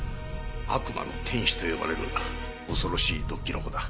悪魔の天使と呼ばれる恐ろしい毒キノコだ。